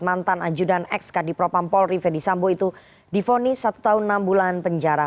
mantan ajudan x kadi propampol rivedi sambo itu difonis satu tahun enam bulan penjara